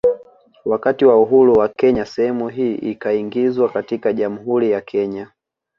Wakati wa uhuru wa Kenya sehemu hii ikaingizwa katika Jamhuri ya Kenya